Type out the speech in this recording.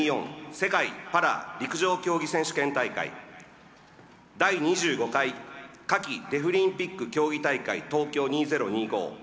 世界パラ陸上競技選手権大会第２５回夏季デフリンピック競技大会東京２０２５